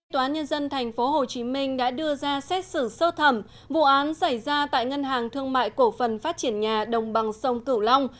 tòa nhân dân tp hcm đã đưa ra xét xử sơ thẩm vụ án xảy ra tại ngân hàng thương mại cổ phần phát triển nhà đồng bằng sông cửu long